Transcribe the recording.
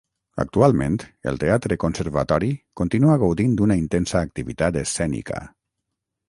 Actualment, el teatre Conservatori continua gaudint d'una intensa activitat escènica.